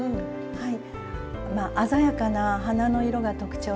はい！